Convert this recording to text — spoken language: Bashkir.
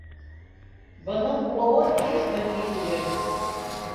— Бының булыуы һис мөмкин түгел.